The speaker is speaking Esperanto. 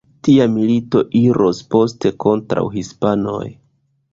Tia milito iros poste kontraŭ hispanoj.